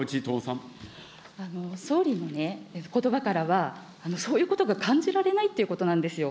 総理のことばからは、そういうことが感じられないってことなんですよ。